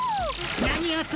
何をする？